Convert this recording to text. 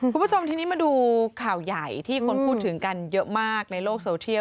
คุณผู้ชมทีนี้มาดูข่าวใหญ่ที่คนพูดถึงกันเยอะมากในโลกโซเทียล